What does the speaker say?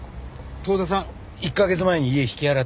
遠田さん１カ月前に家引き払ってます。